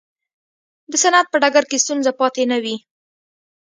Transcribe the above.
د صنعت په ډګر کې ستونزه پاتې نه وي.